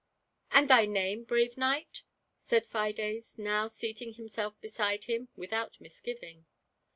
"And thy name, brave knight?" said Fides, now seating himself beside Mm without misgiving.